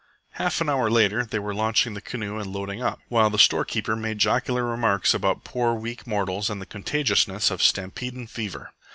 Half an hour later they were launching the canoe and loading up, while the storekeeper made jocular remarks about poor, weak mortals and the contagiousness of "stampedin' fever."